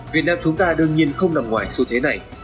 việt nam chúng ta đương nhiên không nằm ngoài xu thế này